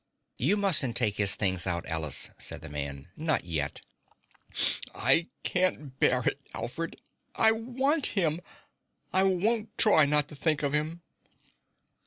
"You mustn't take his things out, Alice," said the man. "Not yet." "I can't bear it, Alfred. I want him! I won't try not to think of him!"